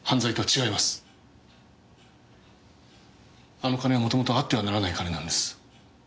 あの金は元々あってはならない金なんです。